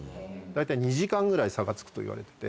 大体２時間ぐらい差がつくといわれてて。